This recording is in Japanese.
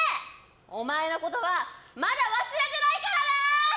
お前のことはまだ忘れてないからな！